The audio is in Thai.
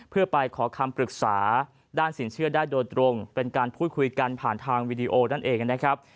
เพื่อไปขอคำปรึกษาด้านสินเชื่อได้โดยตรงเป็นการพูดคุยกันผ่านทางวีดีโอนั่นเองนะครับ